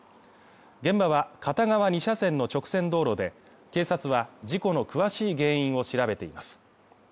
現場は片側２車線の直線道路で、警察は事故の詳しい原因を調べています。